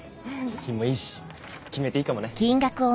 品もいいし決めていいかもね。